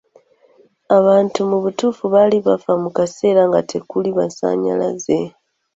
Abantu mu butuufu baali bafa mu kaseera nga tekuli masannyalaze.